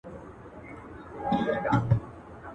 دغه وخت به ښکاري کش کړل تناوونه ..